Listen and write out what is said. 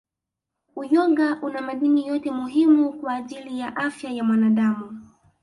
Uyoga una madini yote muhimu kwa ajili ya afya ya mwanadamu